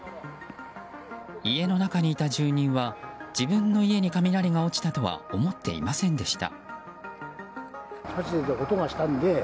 家の中にいた住人は、自分の家に雷が落ちたとは思っていませんでした。